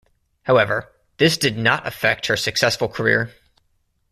However, this did not affect her successful career.